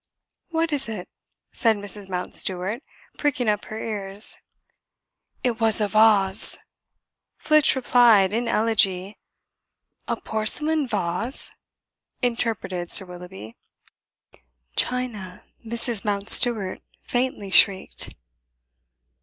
"What is it?" said Mrs. Mountstuart, pricking up her ears. "It was a vaws," Flitch replied in elegy. "A porcelain vase!" interpreted Sir Willoughby. "China!" Mrs. Mountstuart faintly shrieked.